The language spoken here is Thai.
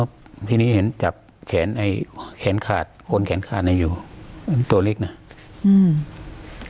แล้วทีนี้เห็นกับแขนไอ้แขนขาดคนแขนขาดน่ะอยู่ตัวเล็กน่ะอืม